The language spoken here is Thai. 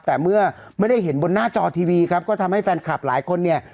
แต่เมื่อไม่ได้เห็นบนหน้าจอทีวีครับก็ทำให้แฟนคลับหลายคนเนี่ย